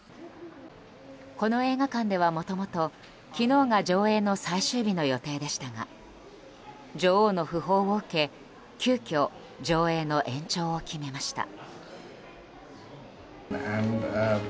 この映画館ではもともと昨日が上映の最終日の予定でしたが女王の訃報を受け、急きょ上映の延長を決めました。